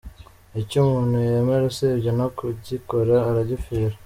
Icyo umuntu yemera usibye no kugikora aragipfira.